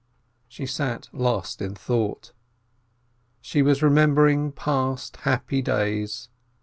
She sat lost in thought. She was remembering past happy days.